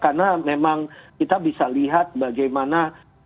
karena memang kita bisa lihat bagaimana